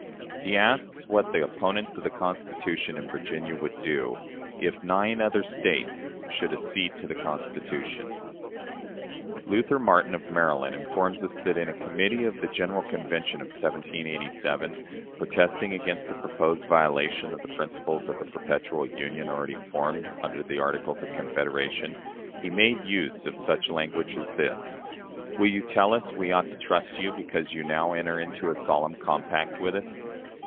He asks what the opponents of the Constitution in Virginia would do, "if nine other States should accede to the Constitution." Luther Martin, of Maryland, informs us that, in a committee of the General Convention of 1787, protesting against the proposed violation of the principles of the "perpetual union" already formed under the Articles of Confederation, he made use of such language as this: "Will you tell us we ought to trust you because you now enter into a solemn compact with us?